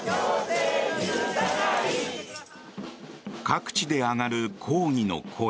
各地で上がる抗議の声。